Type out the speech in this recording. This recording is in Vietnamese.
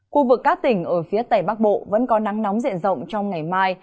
khu vực các tỉnh ở phía tây bắc bộ vẫn có nắng nóng diện rộng trong ngày mai